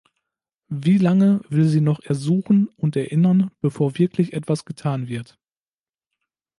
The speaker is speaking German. Wie lange will sie noch ersuchen und erinnern, bevor wirklich etwas getan wird?